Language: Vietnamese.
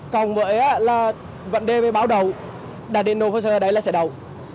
còn với vấn đề với báo đầu đạt đến nổ vô sở đấy là sẽ đầu